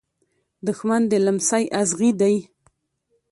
دښمن د لمڅی ازغي دی .